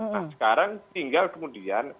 nah sekarang tinggal kemudian